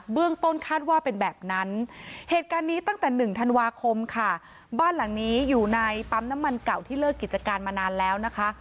เรื่องต้นคาดว่าเป็นแบบนั้นเหตุการณ์นี้ตั้งแต่๑ธันวาคมค่ะบ้านหลังนี้อยู่ในปั๊มน้ำมันเก่าที่เลิกกิจการมานานแล้วนะคะ